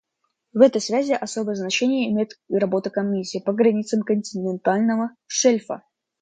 В этой связи особое значение имеет работа Комиссии по границам континентального шельфа.